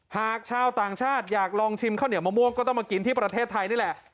หากชาวต่างชาติอยากลองชิมข้าวเหนียวมะม่วงก็ต้องมากินที่ประเทศไทยนี่แหละ